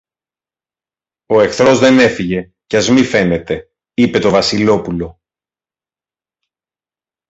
Ο εχθρός δεν έφυγε, κι ας μη φαίνεται, είπε το Βασιλόπουλο.